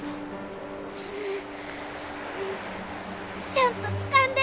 ちゃんとつかんで！